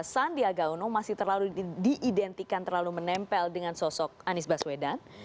sandiaga uno masih terlalu diidentikan terlalu menempel dengan sosok anies baswedan